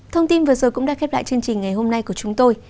thông tin vừa rồi cũng đã khép lại chương trình ngày hôm nay của chúng tôi